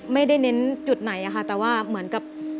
ไม่ได้เน้นจุดไหนอะค่ะแต่ว่าเหมือนกับ